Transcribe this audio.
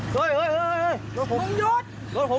ถอดเสื้อให้ฟังเพิ่มเติม